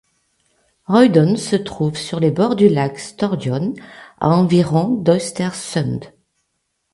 Rödön se trouve sur les bords du lac Storsjön à environ d'Östersund.